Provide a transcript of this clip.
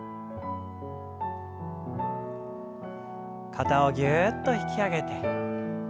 肩をぎゅっと引き上げて下ろして。